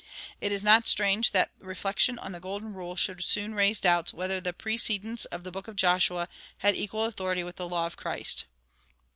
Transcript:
It is not strange that reflection on the golden rule should soon raise doubts whether the precedents of the Book of Joshua had equal authority with the law of Christ.